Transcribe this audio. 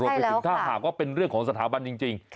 ใช่แล้วค่ะถ้าหากว่าเป็นเรื่องของสถาบันจริง